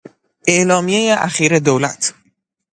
اعلامیهی اخیر دولت